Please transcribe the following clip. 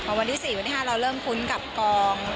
พอวันที่๔วันที่๕เราเริ่มคุ้นกับกอง